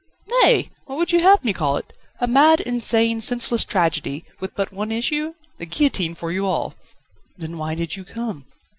"Nay! what would you have me call it? A mad, insane, senseless tragedy, with but one issue? the guillotine for you all." "Then why did you come?"